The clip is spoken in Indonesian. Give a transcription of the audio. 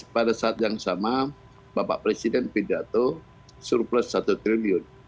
pada saat yang sama bapak presiden pidato surplus satu triliun